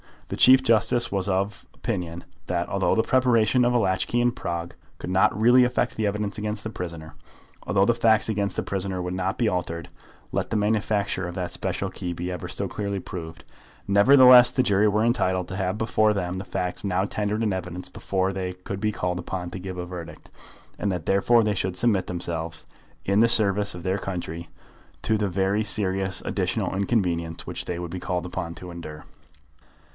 The Chief Justice was of opinion that, although the preparation of a latch key in Prague could not really affect the evidence against the prisoner, although the facts against the prisoner would not be altered, let the manufacture of that special key be ever so clearly proved, nevertheless the jury were entitled to have before them the facts now tendered in evidence before they could be called upon to give a verdict, and that therefore they should submit themselves, in the service of their country, to the very serious additional inconvenience which they would be called upon to endure.